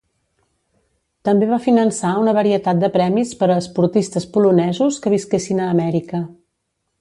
També va finançar una varietat de premis per a esportistes polonesos que visquessin a Amèrica.